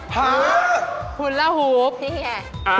ฮ๊ะหุ่นละฮุฟนี่แห้ง